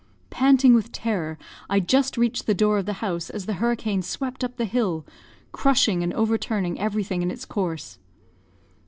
Panting with terror, I just reached the door of the house as the hurricane swept up the hill, crushing and overturning everything in its course.